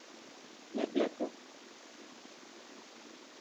Lebledo.